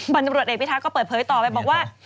ตำรวจเอกพิทักษ์ก็เปิดเผยต่อไปบอกว่า